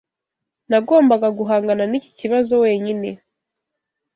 Nagombaga guhangana n'iki kibazo wenyine.